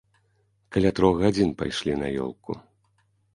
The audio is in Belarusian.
Каля трох гадзін пайшлі на ёлку.